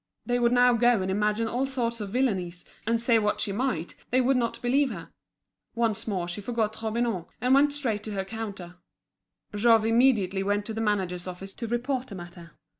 They would now go and imagine all sorts of villainies, and say what she might, they would not believe her. Once more she forgot Robineau, and went straight to her counter. Jouve immediately went to the manager's office to report the matter.